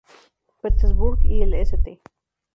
Petersburg y el St.